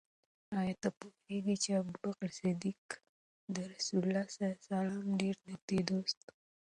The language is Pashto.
آیا ته پوهېږې چې ابوبکر صدیق د رسول الله ص ډېر نږدې دوست و؟